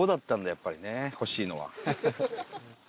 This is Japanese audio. やっぱりねほしいのは。